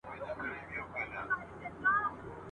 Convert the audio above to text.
د پسرلیو له سبا به ترانې وي وني !.